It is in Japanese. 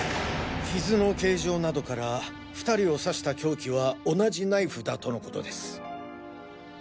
傷の形状などから２人を刺した凶器は同じナイフだとのことです。